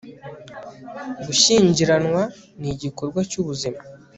gushyingiranwa ni igikorwa cy'ubuzima